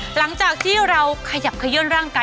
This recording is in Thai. หลังจากที่เราขยับขยื่นร่างกาย